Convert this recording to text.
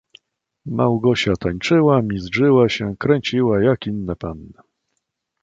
"Małgosia tańczyła, mizdrzyła się, kręciła, jak inne panny."